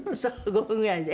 ５分ぐらいで？